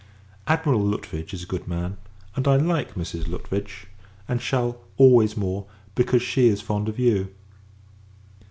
Admiral Lutwidge is a good man; and, I like Mrs. Lutwidge and shall, always more, because she is fond of you.